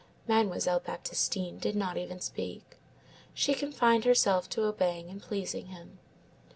Mademoiselle Baptistine did not even speak. She confined herself to obeying and pleasing him.